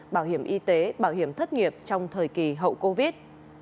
bảo hiểm y tế bảo hiểm thất nghiệp trong thời kỳ hậu covid